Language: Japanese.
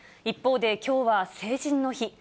一方できょうは成人の日。